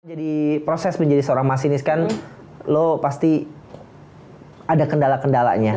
jadi proses menjadi seorang masinis kan lo pasti ada kendala kendalanya